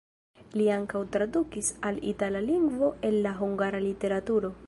Li ankaŭ tradukis al itala lingvo el la hungara literaturo.